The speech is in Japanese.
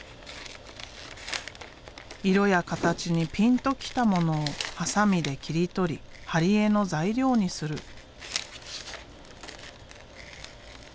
色や形にピンときたものをハサミで切り取り貼り絵の材料にする。